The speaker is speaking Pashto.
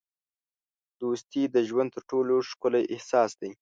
دوستي د ژوند تر ټولو ښکلی احساس دی.